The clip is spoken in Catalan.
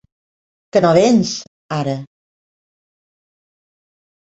Que no véns, ara?